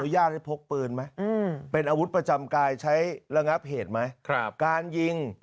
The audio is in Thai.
อนุญาตให้พกปืนไหมเป็นอาวุธประจำกายใช้ระงะเผตไหม